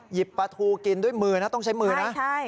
หยิบปลาทูกินด้วยมือนะต้องใช้มือนะ